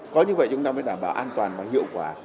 có như vậy chúng ta mới đảm bảo an toàn và hiệu quả